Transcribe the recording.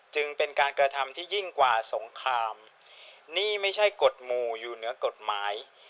จึงเป็นการกระทำที่ยิ่งกว่าสงครามนี่ไม่ใช่กฎหมู่อยู่เหนือกฎหมาย